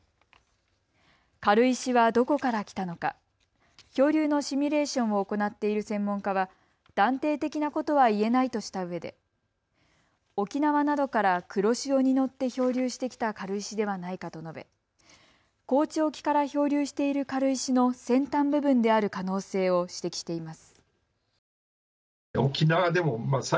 軽石はどこから来たのか漂流のシミュレーションを行っている専門家は断定的なことは言えないとしたうえで沖縄などから黒潮に乗って漂流してきた軽石ではないかと述べ高知沖から漂流している軽石の先端部分である可能性を指摘しています。